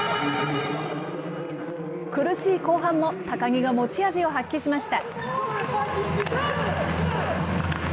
苦しい後半も高木が持ち味を発揮しました。